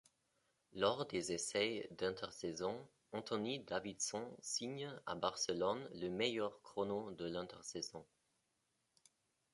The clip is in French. Lors des essais d'intersaison, Anthony Davidson signe à Barcelone le meilleur chrono de l'intersaison.